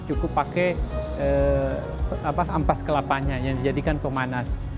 cukup pakai ampas kelapanya yang dijadikan pemanas